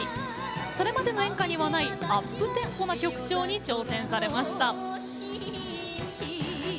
それまでの演歌にはないアップテンポな曲調に挑戦されました。